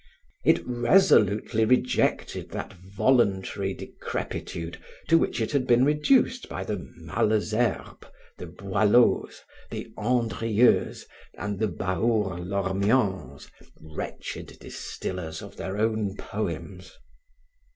It resolutely rejected that voluntary decrepitude to which it had been reduced by the Malesherbes, the Boileaus, the Andrieuxes and the Baour Lormians, wretched distillers of their own poems.